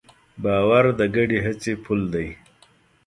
باور د ګډې هڅې پُل دی.